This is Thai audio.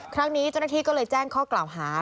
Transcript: ครั้งนี้เจ้าหน้าที่ก็เลยแจ้งข้อกล่าวหา